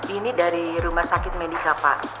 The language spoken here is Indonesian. ini dari rumah sakit medica pak